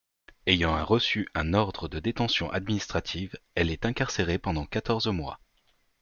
Ayant reçu un ordre de détention administrative, elle est incarcérée pendant quatorze mois.